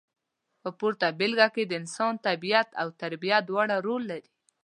په پورته بېلګه کې د انسان طبیعت او تربیه دواړه رول لري.